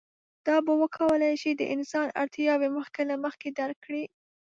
دا به وکولی شي د انسان اړتیاوې مخکې له مخکې درک کړي.